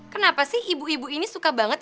kenapa sih ibu ibu ini suka banget